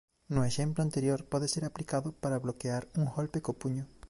No exemplo anterior pode ser aplicado para bloquear un golpe co puño.